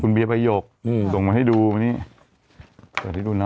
คุณเบียบะหยกส่งมาให้ดูมานี่เดี๋ยวที่ดูเนอะ